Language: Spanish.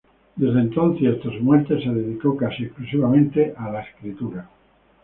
Desde entonces y hasta su muerte, se dedicó casi exclusivamente a la escritura.